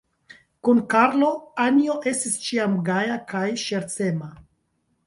Kun Karlo, Anjo estis ĉiam gaja kaj ŝercema.